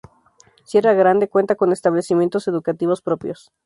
Sierra Grande cuenta con establecimientos educativos propios.